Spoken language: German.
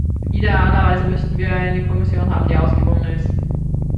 Idealerweise müssten wir eine Kommission haben, die ausgewogener ist.